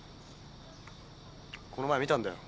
この前見たんだよ。